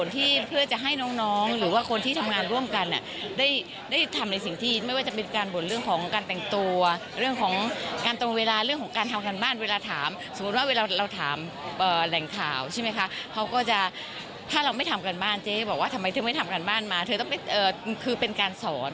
เธอไม่ทำการบ้านมาคือเป็นการสอน